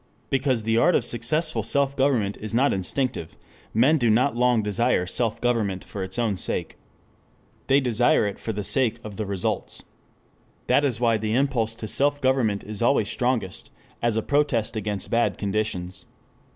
Because the art of successful self government is not instinctive, men do not long desire self government for its own sake. They desire it for the sake of the results. That is why the impulse to self government is always strongest as a protest against bad conditions.